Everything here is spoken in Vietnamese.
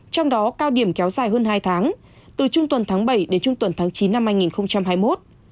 trong đó cao điểm kéo dài hơn hai tháng từ trung tuần tháng bảy đến trung tuần tháng chín năm hai nghìn hai mươi một